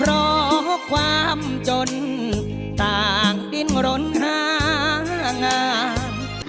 เรารักกันอยู่กันต้องโทษคนเพราะความจนต่างดินร้อนห้างาน